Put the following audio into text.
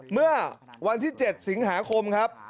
เมื่อวันที่๗สิงหาคมครับ